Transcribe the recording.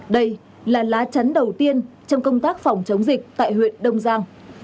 đây là lá chắn đầu tiên trong công tác phòng chống dịch tại huyện đông giang